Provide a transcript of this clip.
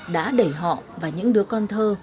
đã đẩy họ và những đứa con thơ